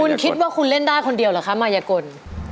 คุณคิดว่าคุณเล่นได้คนเดียวเหรอคะมายกล